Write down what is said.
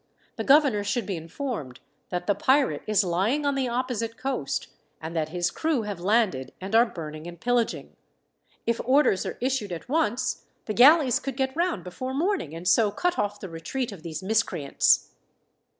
The governor should be informed that the pirate is lying on the opposite coast, and that his crew have landed, and are burning and pillaging. If orders are issued at once, the galleys could get round before morning, and so cut off the retreat of these miscreants."